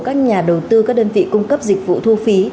các nhà đầu tư các đơn vị cung cấp dịch vụ thu phí